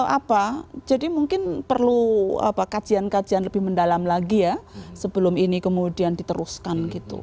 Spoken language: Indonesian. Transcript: apa jadi mungkin perlu kajian kajian lebih mendalam lagi ya sebelum ini kemudian diteruskan gitu